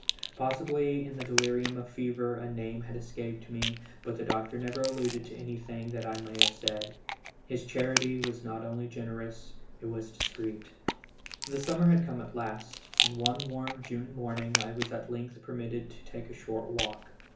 Possibly in the delirium of fever a name had escaped me ; but the doctor never alluded to anything I may have said. Ilis charity was not only generous, it was discreet. The summer had come at last, and one warm June morning I was at length permitted to take a short walk.